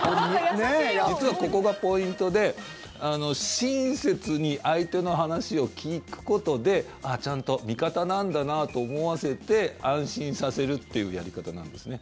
実はここがポイントで親切に相手の話を聞くことでちゃんと味方なんだなと思わせて安心させるっていうやり方なんですね。